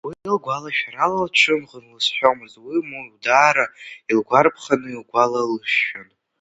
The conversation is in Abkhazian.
Уи лгәалашәара лцәымӷын лызҳәомызт, уи моу даара илгәарԥханы илгәалалыршәон.